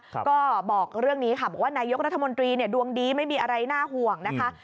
ก็บอกเรื่องนี้ค่ะบอกว่านายกรัฐมนตรีเนี่ยดวงดีไม่มีอะไรน่าห่วงนะคะ